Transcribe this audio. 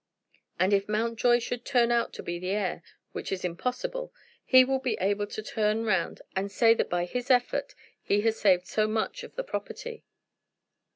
And if Mountjoy should turn out to be the heir, which is impossible, he will be able to turn round and say that by his efforts he had saved so much of the property."